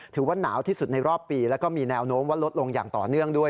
ถือว่าหนาวที่สุดในรอบปีแล้วก็มีแนวโน้มว่าลดลงอย่างต่อเนื่องด้วย